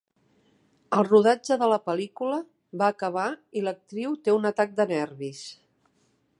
El rodatge de la pel·lícula va acabar i l'actriu té un atac de nervis.